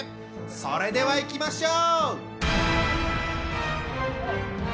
それではいきましょう！